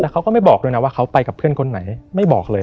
แต่เขาก็ไม่บอกด้วยนะว่าเขาไปกับเพื่อนคนไหนไม่บอกเลย